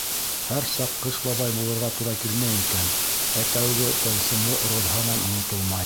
Һәр саҡ Ҡыш бабай булырға тура килмәй икән, ә тәүге тылсымсы роль һаман онотолмай.